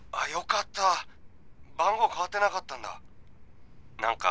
よかった番号変わってなかったんだ。